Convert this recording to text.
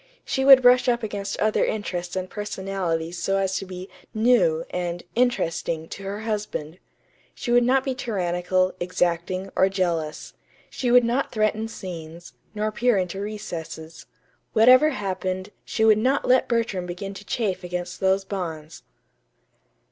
She would brush up against other interests and personalities so as to be "new" and "interesting" to her husband. She would not be tyrannical, exacting, or jealous. She would not threaten scenes, nor peer into recesses. Whatever happened, she would not let Bertram begin to chafe against those bonds!